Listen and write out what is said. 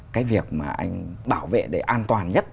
cái việc mà anh bảo vệ để an toàn nhất